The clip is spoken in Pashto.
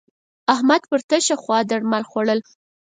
احمد پر تشه خوا درمل خوړول.